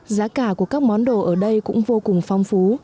giá cả của các món đồ ở đây cũng vô cùng phong phú